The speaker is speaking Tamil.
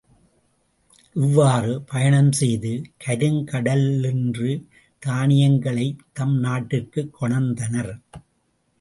இவ்வாறு பயணம் செய்து கருங்கடலின்று தானியங்களைத் தம் நாட்டிற்குக் கொணர்ந்தனர்.